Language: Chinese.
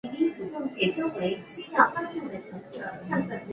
同治十年任直隶布政使。